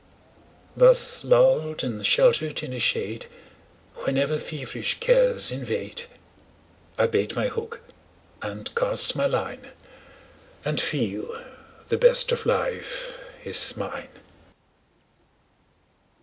Thus lulled and sheltered in a shade Where never feverish cares invade, I bait my hook and cast my line, And feel the best of life is mine.